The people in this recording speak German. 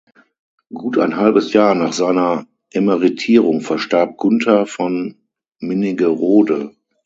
Gut ein halbes Jahr nach seiner Emeritierung verstarb Gunther von Minnigerode.